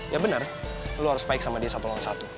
ya bener lo harus fight sama dia satu lawan satu